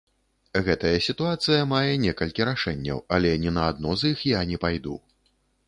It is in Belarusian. Гэтая сітуацыя мае некалькі рашэнняў, але ні на адно з іх я не пайду.